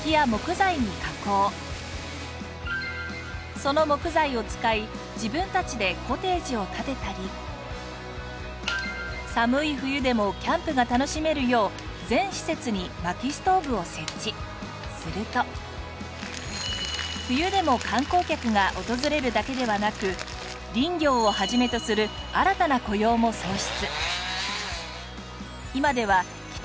その木材を使い自分たちでコテージを建てたり寒い冬でもキャンプが楽しめるようすると冬でも観光客が訪れるだけではなく林業を始めとする新たな雇用も創出。